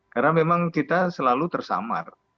karena memang kita selalu tersamar